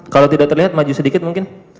kalau tidak terlihat maju sedikit mungkin